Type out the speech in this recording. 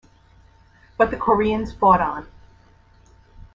But the Koreans fought on.